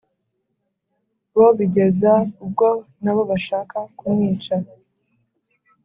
bo bigeza ubwo na bo bashaka kumwica